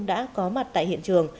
đã có mặt tại hiện trường